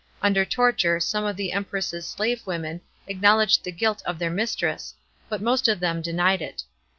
Under torture some of the Empress's slave women, acknowledged the guilt of fieir mistress, but most of them denied it.